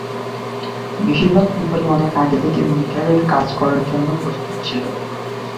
বেশির ভাগ কোম্পানি অনেক আগে থেকে মিটারের কাজ করার জন্য প্রস্তুত ছিল।